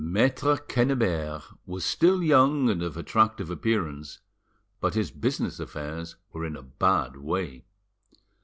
Maitre Quennebert was still young and of attractive appearance, but his business affairs were in a bad way.